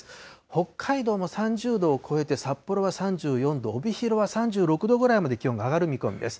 北海道も３０度を超えて、札幌は３４度、帯広は３６度ぐらいまで気温が上がる見込みです。